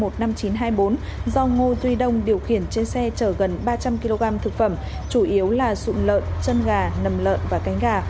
do ngô duy đông điều khiển trên xe chở gần ba trăm linh kg thực phẩm chủ yếu là sụn lợn chân gà nầm lợn và cánh gà